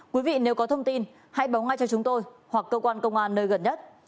quý vị nếu có thông tin hãy báo ngay cho chúng tôi hoặc cơ quan công an nơi gần nhất